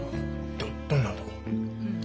どんな男？